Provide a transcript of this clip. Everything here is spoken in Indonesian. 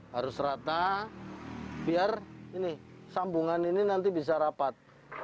harus rata biar sambungan ini nanti bisa rapat